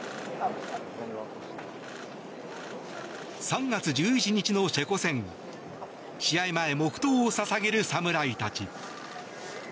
３月１１日のチェコ戦試合前、黙祷を捧げる侍たち。